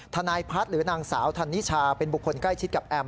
ทนายพัฒน์หรือนางสาวธนิชาเป็นบุคคลใกล้ชิดกับแอม